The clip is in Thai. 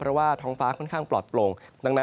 เพราะว่าท้องฟ้าค่อนข้างปลอดโปร่ง